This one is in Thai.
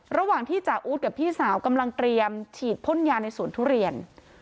ระหว่างที่จาอู๊ดกับพี่สาวกำลังเตรียมฉีดพ่นยาในสวนทุเรียน